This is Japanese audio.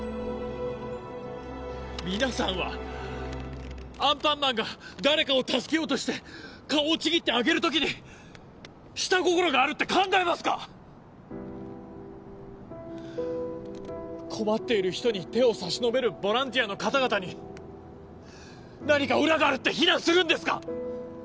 皆さんはアンパンマンが誰かを助けようとして顔をちぎってあげる時に下心があるって考えますか⁉困っている人に手を差し伸べるボランティアの方々に何か裏があるって非難するんですか